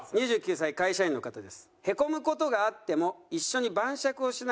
２９歳会社員の方です。